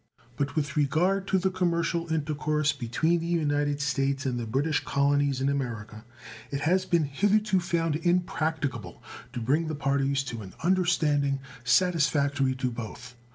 But with regard to the commercial intercourse between the United States and the British colonies in America, it has been hitherto found impracticable to bring the parties to an understanding satisfactory to both.